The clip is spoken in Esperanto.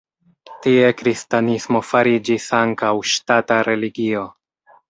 Tie kristanismo fariĝis ankaŭ ŝtata religio.